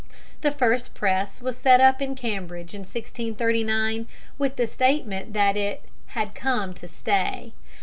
The first press was set up in Cambridge in 1639, with the statement that it "had come to stay."